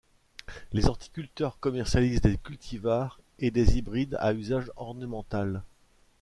Les horticulteurs commercialisent des cultivars et des hybrides à usage ornemental.